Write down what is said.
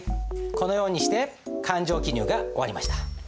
このようにして勘定記入が終わりました。